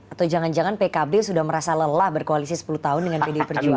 atau jangan jangan pkb sudah merasa lelah berkoalisi sepuluh tahun dengan pdi perjuangan